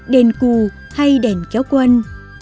đèn cù hay đèn kéo quân